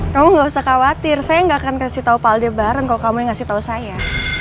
kamu nggak usah khawatir saya nggak akan kasih tahu pak aldebaran kalau kamu yang kasih tahu saya